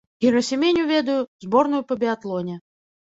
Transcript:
Герасіменю ведаю, зборную па біятлоне.